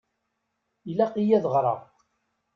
Ilaq-iyi ad ɣṛeɣ.